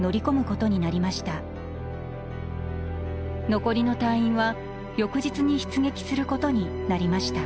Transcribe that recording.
残りの隊員は翌日に出撃することになりました。